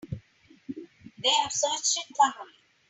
They have searched it thoroughly.